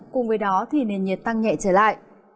cùng với đó nền nhiệt tăng nhẹ trở lại